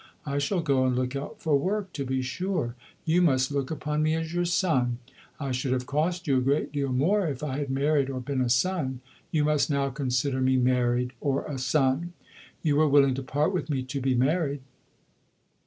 I shall go and look out for work, to be sure. You must look upon me as your son. I should have cost you a great deal more if I had married or been a son. You must now consider me married or a son. You were willing to part with me to be married."